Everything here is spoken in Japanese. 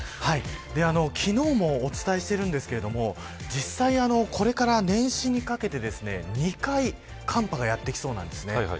昨日もお伝えしているんですけども実際、これから年始にかけて２回寒波がやってきそうなんです。